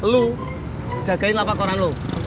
lu jagain lapak koran lo